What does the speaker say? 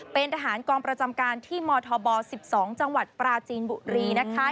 เป็นทหารกองประจำการที่มธบ๑๒จังหวัดปราจีนบุรีนะคะ